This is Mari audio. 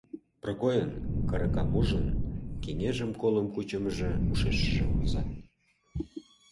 Прокойын, каракам ужын, кеҥежым колым кучымыжо ушешыже возо.